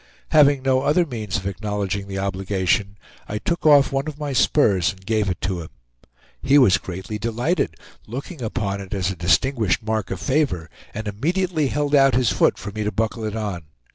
Having no other means of acknowledging the obligation, I took off one of my spurs and gave it to him. He was greatly delighted, looking upon it as a distinguished mark of favor, and immediately held out his foot for me to buckle it on.